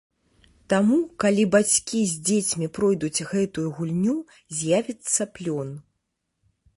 Таму, калі бацькі з дзецьмі пройдуць гэтую гульню, з'явіцца плён.